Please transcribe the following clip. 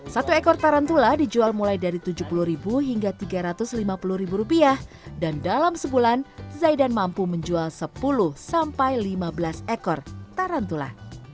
satu ekor tarantula dijual mulai dari tujuh puluh hingga rp tiga ratus lima puluh dan dalam sebulan zaidan mampu menjual sepuluh sampai lima belas ekor tarantula